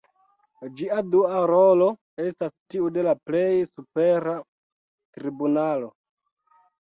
Ĝia dua rolo estas tiu de la plej supera tribunalo.